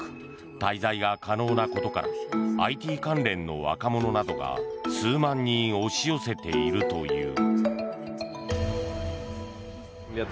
滞在が可能なことからＩＴ関連の若者などが数万人押し寄せているという。